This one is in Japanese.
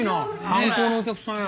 観光のお客さんや。